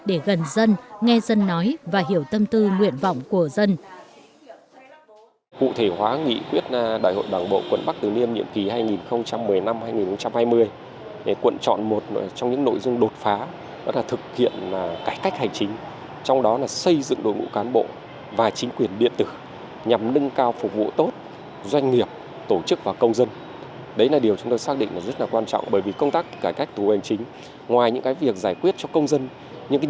để gần dân nghe dân nói và hiểu tâm tư nguyện vọng của dân